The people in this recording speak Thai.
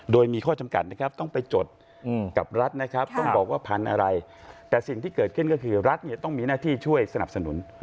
โดยมีข้อจำกัดนะครับต้องไปจดกับรัฐนะครับต้องบอกว่าพันธุ์อะไรแต่สิ่งที่เกิดขึ้นก็คือรัฐเนี่ยต้องมีหน้าที่ช่วยสนับสนุน